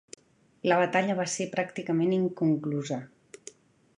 La batalla va ser pràcticament inconclusa.